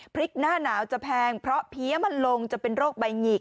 หน้าหนาวจะแพงเพราะเพี้ยมันลงจะเป็นโรคใบหงิก